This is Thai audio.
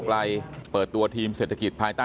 การสอบส่วนแล้วนะ